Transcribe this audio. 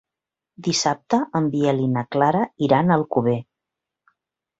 Dissabte en Biel i na Clara iran a Alcover.